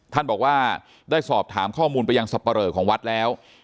ท่านบอกว่าได้สอบถามข้อมูลไปยังสับปะเหลอของวัดแล้ว